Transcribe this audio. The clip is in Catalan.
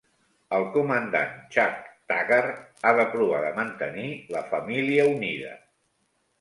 El comandant Chuck Taggart ha de provar de mantenir la família unida.